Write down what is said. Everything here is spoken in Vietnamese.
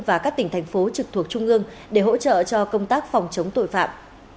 và các tỉnh thành phố trực thuộc trung ương để hỗ trợ cho công tác phòng chống tội phạm